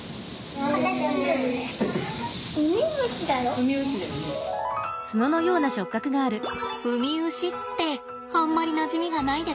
ウミウシってあんまりなじみがないですか？